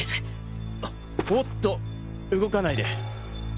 おっと動かないで。